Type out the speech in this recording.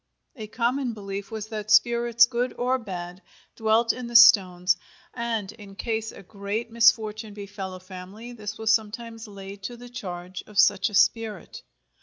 A common belief was that spirits good or bad dwelt in the stones, and in case a great misfortune befell a family, this was sometimes laid to the charge of such a spirit.